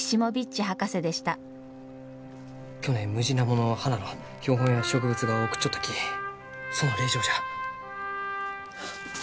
去年ムジナモの花の標本や植物画を送っちょったきその礼状じゃ。